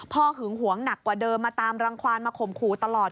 หึงหวงหนักกว่าเดิมมาตามรังความมาข่มขู่ตลอด